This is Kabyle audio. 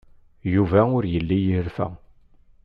Yuba ur yelli yerfa.